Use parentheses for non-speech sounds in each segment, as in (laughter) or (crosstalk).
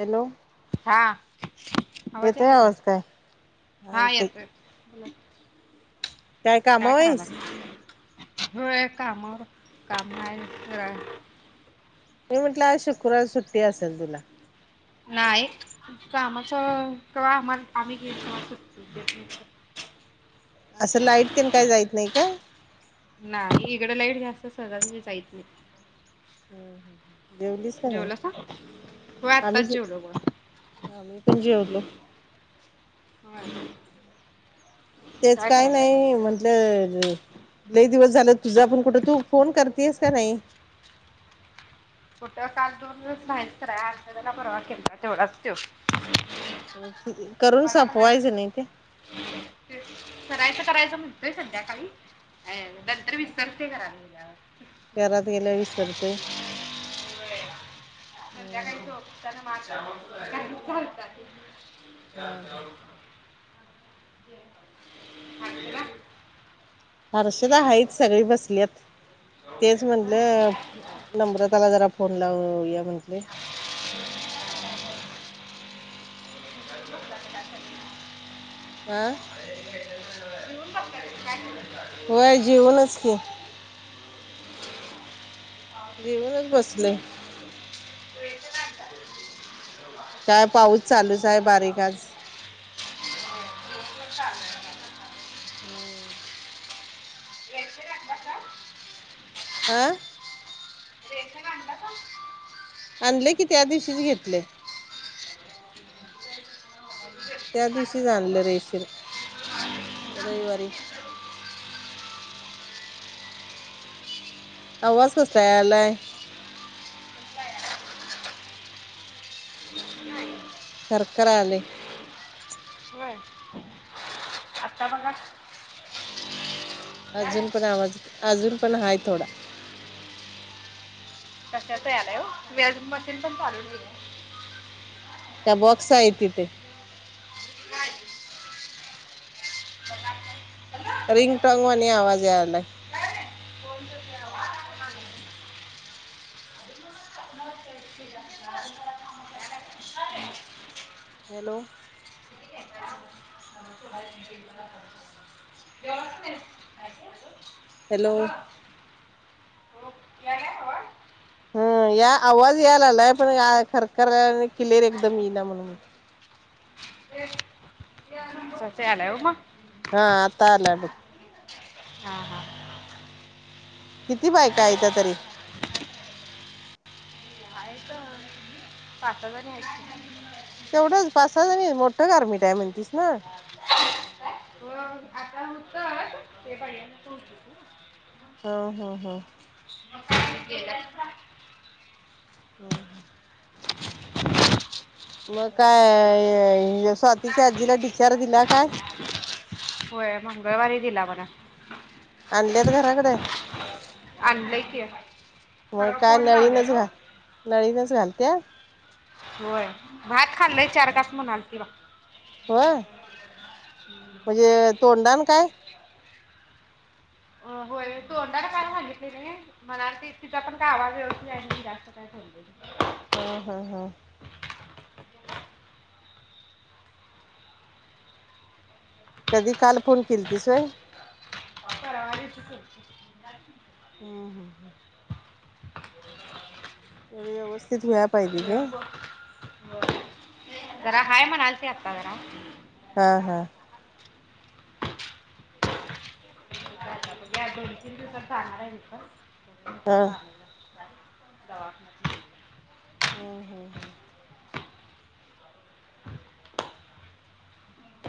Hello. हा, आवाज येतोय यायला का? काय हा येतोय. हॅलो, काय कामावर करालाय? आहेस होय कामावर काम हाय जरा मी म्हटलं आज शुक्रवार सुट्टी असेल तुला. नाही कामाच कवा आमाला आम्ही घेईल तवा सुट्टी देत नाही तसं. असं लाईट तेन काय जाईत नाही काय? नाही इकडं लाईट जास्त सहजा सहजी जाईत नाही. हम्म हम्म हम्म जेवलीस का नाही? जेवलासा? होय आम्ही आत्ताच ज जेवलो बघा. आम्ही पण जेवलो. (unintelligible) तेच काय नाही म्हंटलं लय दिवस झालं तुझा पण कुठं तू फोन कर तीस का नाही? कुटं काल दोन दिवस बाहेर फिराय आलत तवा परवा केलता तेवढाच तो. करून सपवायचं नाही ते. तेच करायचं करायचं म्हणतोय संध्याकाळी अ नंतर विसरते घरात गेल्यावर. घरात गेल्यावर विसरतंय. संध्याकाळी झोपतानं म आठवण येत्या (unintelligible) हा हा (inaudible) हर्षदा आली हर्षदा हाईत सगळी बसल्यात तेच नाही. म्हणलं नम्रताला जरा फोन लावुया म्हटले. (inaudible) आं? (inaudible) व्हयं जेवुनच की. जेवुनच बसलंय. (inaudible) काय पाऊस चालूचं हाय बारीक आज. (inaudible) हम्म. रेशन आणलासा? आ? रेशन आणलासा? आणलय की त्या दिवशीच घेतलंय. त्या दिवशीच आणले रेशीर रविवारी (inaudible) आवाज कसला यालाय? नाही खरखरालय. व्हयं आता बघा. अजुन पण आवाज अजून पण हाय थोडा. कशाचा यालाय ओ मी अजून मशीन पण चालून (unintelligible) त्या बॉक्स आहे तिथे. रिंग टोंगवाणी आवाज यायलाय. (unintelligible) (unintelligible) हॅलो (unintelligible) (unintelligible) हॅलो हम्म, या आवाज याला आलाय, पण खरखर आणि क्लिअर एकदम येई ना म्हणून म्हणते. (unintelligible) हा आता आलाय बघ. हा हा किती बायका येत्या तरी. हायत पाच-सहा जणी आहेत की. तेवढच पाच सहा जणीच. मोठ गारमिट आहे म्हणतीस ना. (unintelligible) आता उतर. ये बाई याला सोडून हम्म हम्म हम्म (unintelligible) हम्म हम्म मग काय, स्वातीच्या आजीला डिस्चार्ज दिला काय? होय मंगळवारी दिला म्हणा. आणलेत घराकडे. आणलय की परवा फोन लावलेलो. नळीनेच घालत्या. होय. भात खाल्लय चार तास म्हणालती बा. हो म्हणजे तोंडान काय. होय तोंडाला काय सांगितले नाही. म्हणाल क तिचा पण काय आवाज व्यवस्थित आहे. जास्त काय सांगितलं (inaudible) हा हा हा कधी काल फोन केलीतीस व्हय. (unintelligible) हम्म हम्म थोडी व्यवस्थित व्हाय (unintelligible) पाहिजे होय, ग जरा हाय म्हणालती आता जरा. हा हा म्या दोन-तीन दिवसात जाणार आहे तिथ. हा तवा हम्म हम्म हम्म (inaudible)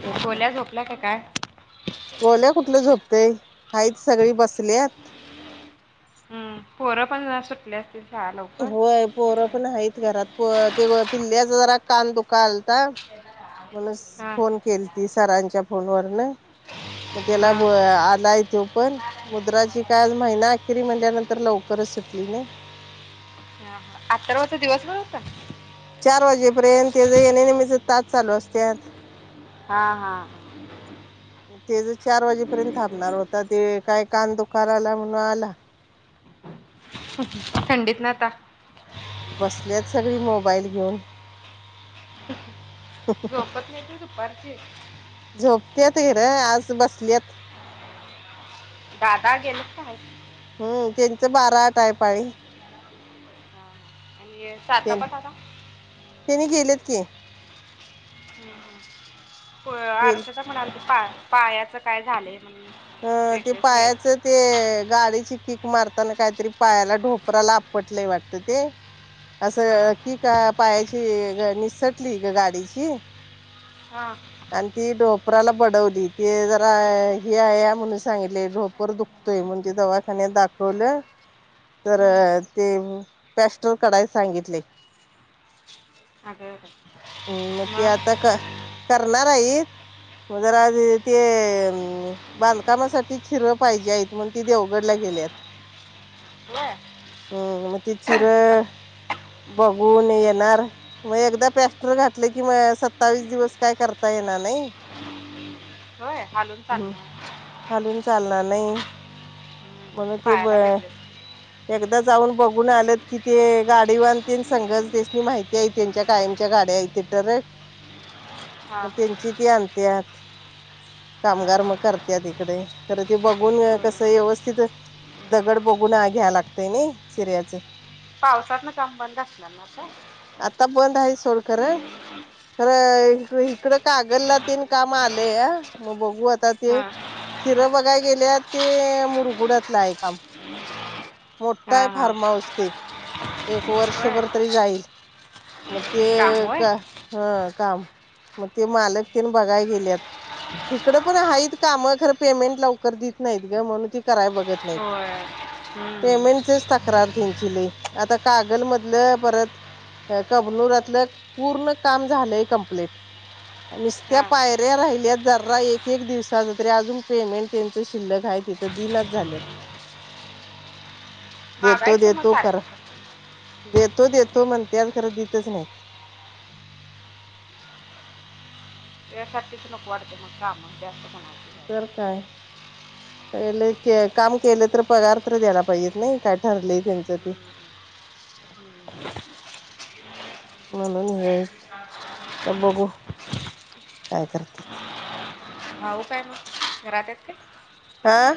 तर काय गोल्या झोपला का काय? गोल्या कुठल झोपतय. हाईत सगळी बसल्यात. हम्म, पोर पण सुटले असतील. शाळा लवकर होय पोर पण आहेत घरात. प ते पिल्ल्याचा जरा कान दुकालता. (inaudible) म्हणस हा फोन हा केल ती सरांच्या फोनवर न. मग त्याला हा आलय तो पण. मुद्राची काय आज महिना अखेरी म्हणल्यानंतर लवकरच सुटली नइ.. ह हा अथर्वाचा दिवस बर होता. चार वाजेपर्यंत तेज येणे जाणेच तास चालू असत्यात. हा हा. (inaudible) ते ज चार वाजेपर्यंत थांबणार होता ते काय कान दुकाय लागलय म्हणून आला. थंडीत न आता. बसल्यात सगळी मोबाईल घेऊन. झोपत नाइत होय दुपारची. झोपत्यात इर आज बसल्यात. दादा गेल्यात का हायत. हम् त्यांचं बारा आट आहे पाळी. हा. आणि त्यानी सातापा दादा. त्यांनी गेलेत की. हम् हम गेले आरषादा म्हणालती पा पायाच काय झालंय म्हण. अ ते पायाच. ते गाडीची कीक मारताना काहीतरी पायाला ढोपराला आपटलंय वाटतं ते. (inaudible) हां असं कीक पायाची निसटली ग गाडीची. हां. आणि ती ढोपराला बडवली ते जरा हे.. या या म्हणून सांगितलेय ढोपर दुखतोय मंजे दवाखान्यात दाखवलं. तर हम्म. ते पॅस्टल कढायला सांगितलय. आग बाई. मग ते आता करणार आइत मग जरा ते बांधकामासाठी चिरं पाहिजेहाय म्हणुन ती देवगडला गेल्यात. होय. हम्म मग ते चिर बघून येणार मग एकदा पेस्. टर घातले की मग सत्तावीस दिवस काय करता येणार नाही. होय हलून. हम्म हलून चालणार नाही म्हणून हम्म. ते. पायाला भेटले एकदा जाऊन बघून आलं कि ते गाडी वान सगच त्यासनी माहिती. ते त्यांच्या कायमच्या गाड्या ते टरक हां मग त्यांची ती आणत्यात. हां कामगार हां मग करत्यात इकडे तरं ते बघून कसं हम्म. व्यवस्थित. दगड बघून घ्या लागतय नाई शिऱ्याचे. पावसात ना काम बंद आसणार ना अता. आता बंद आहे सोड खर. खर इकडं कागल ला तेन काम आलया मग बघू आ ते हा चिरं बघाय गेले ते मुरगुड्यातलं काम मोठाय हा हा फार्महाऊस ते एक होय वर्षभर तरी जाईल. मग ते काम होय का हं काम मग ते मालक तन बघाय गेल्यात. ‌ हिकडं पण आहेत काम खरं पेमेंट लवकर देत नाहीत ग म्हणून ती कराय बघत. नाहीत. होय... पेमेंटचीच तक्रार त्यांची लय. आता कागल मधलं परत.. कबनूरातलं पूर्ण काम झालंय कंप्लीट. निसत्या हा पायऱ्या राहिल्यात जरा एक -एक दिवसाच तरी अजून पेमेंट नाही. त्यांच शिल्लक आहे ते तर दिनाच झाल्यात. देतो मागायचं मग -देतो करा. सारखं देतो- देतो म्हणत्यात खरं देतच नाहीत. त्यासाठीच नको वाटतय मग काम जास्त करायला. तर काय..? काम केलं तर पगार तर द्यायला पाहिजेत नाही. काय ठरलंय त्यांचं ती... झाली. म्हणून य... आता बघु... काय करत्यात? भाऊ काय मग. घरात आहेत का? हा..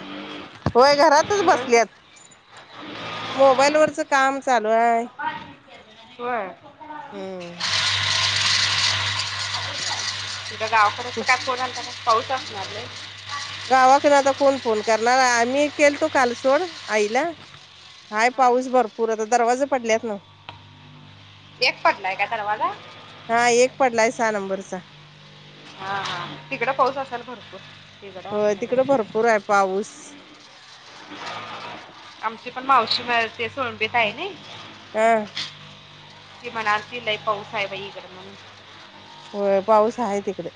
होय घरातच सूरज बसल्यात. मोबाईल वरच काम चालू आहे. होय... हम्म गावाकडचं काय फोन आलता काय? पाऊस असणार लई.. गावाकड आता कोण फोन करणार. आम्ही केलतो काल सोड. आईला... हाय. हा पाऊस भरपूर. आता दरवाजे पडल्यात नव्ह. एक पडलाय का दरवाजा? हा.. एक पडलाय सहा नंबर चा. हा -हा.. तिकड पाऊस असाल भरपूर. तिकडं होय... तिकड आपल्याकडे ते भरपूर आहे पाऊस. आमची पण मावशी ते... सोलंबित आहे नाय. (inaudible) ती म्हणालती लई पाऊस आहे. बाई इकड म्हणून.. होय. पाऊस आहे तिकड.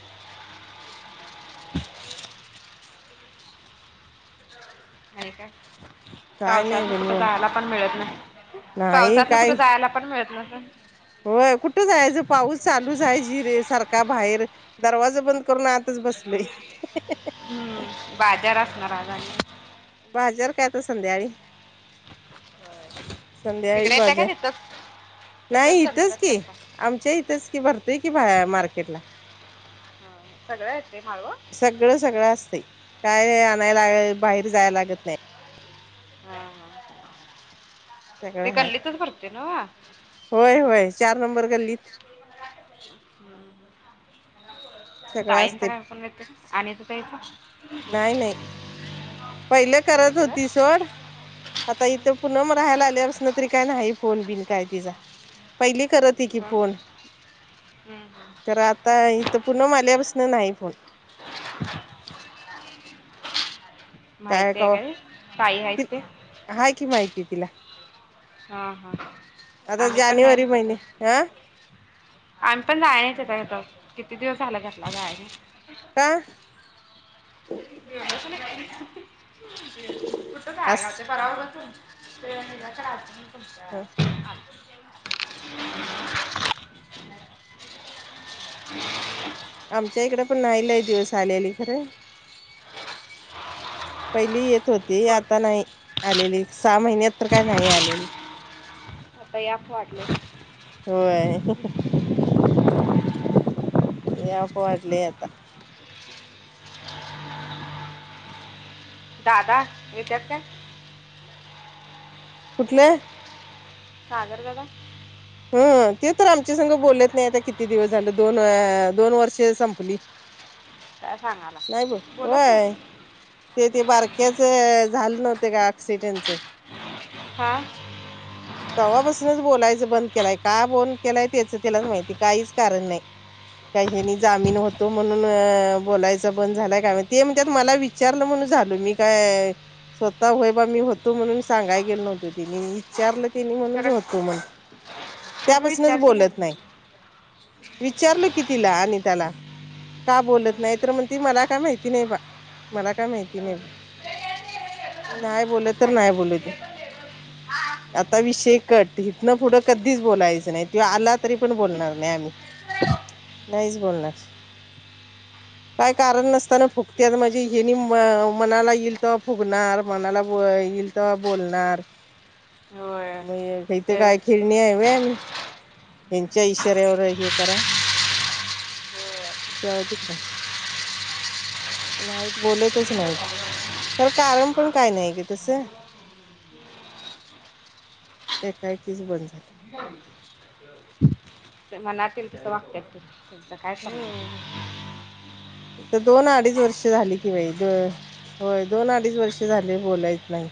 आहे का... काय नाही पावसाळ्यात बई कुठं निवांत जायला पण मिळत नाही. नाही पावसात न कुठ काय जायला पण मिळत नसलं. होय. कुठ जायचं पाऊस चालूच आहे. जिर... सारखा बाहेर. दरवाजा बंद करून. आतच बसलुय. हम्म... बाजार असणार आज आणि... बाजार काय आता संध्याकाळी. संध्याकाळी तिकडे येतं का बाजार. तिथंच नाही तिथंच इथच चंद्रात की. करतात आमच्या इथेच की भरतोय की बा.. मार्केट ला. सगळ येतय माळव.. सगळं -सगळं असतय. काय आणायला.. बाहेर जायला लागत नाही. ते सगळं हाय गल्लीतच भरतोय न्हव. होय -होय चार नंबर गल्लीत.... सगळं ताईनचा असते काय फोन येतोय? अनिता ताईंचा. नाही- नाही.... पहिलं करत होती सोड. आता इथं पुनम राहायला आल्या बसणं तरी काय नाही फोन बिन काय तिचा. पहिली करत... त. कि हं. फोन. हं, हं. तर आता इथं पुनम आल्याबसन नाही फोन. माहित आहे काय? ताई ति आहेत ते.. हाय की माहिती तिला. हा- -हा... आता जानेवारी महिने. -ह.... आम्ही पण जायचं आता किती दिवस झाल घरला जायचं (unintelligible) (unintelligible) कुठ गायब अस हाय सा परवापासून. (unintelligible) हम् हम् आवाज येत आहे आमच्या इकडं पण नाही लय दिवस आलेली खरं. पहिली येत होती कोण? आता नाही आलेली सहा महिन्यात तर काय नाही आलेली. आता याप वाढलय. व्हय याप वाढलय आता. दादा येत्यात काय? कुठलत? सागर दादा हा ते तर आमच्या संघ बोलत नाही आता किती दिवस झालं दोन दोन वर्ष संपली आवाज नाही येत काय सांगाला बोलत नाही? ते ते बारक्याच झाल नव्हत का ऑक्सिडेंटच हा तवापासनच बोलायचं बंद केलाय, का बंद केलाय त्याचं त्यालाच माहिती काहीच कारण नाही. हेंनि जामीन होतो म्हणून अ बोलायच बंद झालाय काय माहित ते म्हणतात मला विचारलं म्हणून झाल मी काय स्वतः वय बा मी होतो म्हणून सांगाय गेलो नव्हतो त्यांनी विचारलं तिनी म्हणूनच तर होतो म्हंटलं, तुम्ही त्यापासूनच विचार केला बोलत नाही. विचारल कि तिला अनिताला. का बोलत नाही तर म्हणती मला काय माहिती नाही बा मला काय माहिती नाही. नाय बोलत तर नाय बोलू दे. आता विषय कट इथन पुढं कधीच बोलायचं नाही तो आला तरी पण बोलणार नाही आम्ही. नाहीच बोलणार. काय कारण नसताना फुगत्यात म्हणजे हेनी मनाला येईल तवा फुगणार मनाला येईल तवा बोलणार. होय मग इथं ते काय खिळणी हाय व्हय आम्ही यांच्या इशाऱ्यावर हे कराय जाऊ दे (unintelligible) नाहीत बोलतच नाहीत तरर कारण पण काय नाही ग तसं एकाएकीच बंद (unintelligible) मनात इल तसं वागत्यात ती. हम् तर दोन अडीच वर्ष झाली कि बाई. होय दोन अडीच वर्ष झाली बोलाय येत नाही.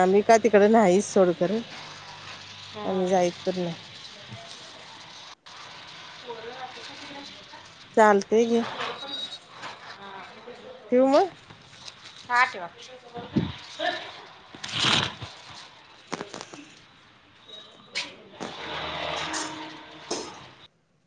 आमही का तिकडें नाहीच सोड खरं आम्ही जाईत पण नाही पोरं (inaudible) चालते कि. ठेवु मंग. हा ठेवा. आवाज नाही येत